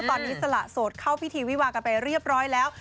ตอนนี้สละโสดเข้าพิธีวิวากันไปเรียบร้อยแล้ว